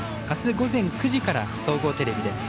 あす午前９時から総合テレビで。